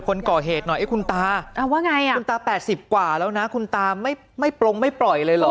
คนก่อเหตุหน่อยคุณตา๘๐กว่าแล้วนะคุณตาไม่ปลงไม่ปล่อยเลยหรอ